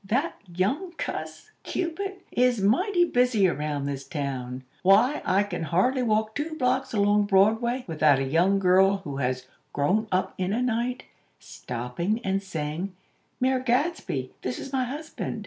That young cuss, Cupid, is mighty busy around this town! Why, I can hardly walk two blocks along Broadway, without a young girl, who has 'grown up in a night,' stopping, and saying: 'Mayor Gadsby, this is my husband.'